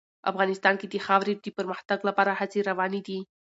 افغانستان کې د خاورې د پرمختګ لپاره هڅې روانې دي.